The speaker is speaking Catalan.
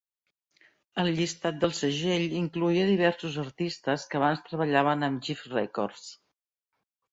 El llistat del segell incloïa diversos artistes que abans treballaven amb Jive Records.